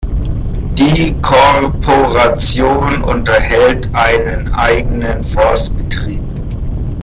Die Korporation unterhält einen eigenen Forstbetrieb.